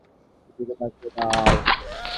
সুধোকে ডাকিয়া দাও।